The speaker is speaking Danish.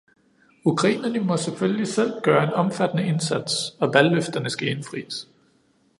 Ukrainerne må selvfølgelig selv gøre en omfattende indsats, og valgløfterne skal indfris.